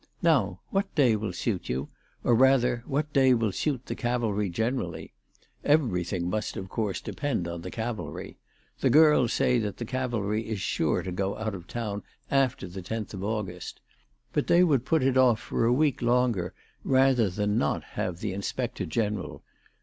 Now, what day will suit you, or rather what day will suit the Cavalry generally ? Everything must of course depend on the Cavalry. The girls say that the Cavalry is sure, to go out of town after the tenth of August. But they would put it off for a week longer rather than not have the Inspector General.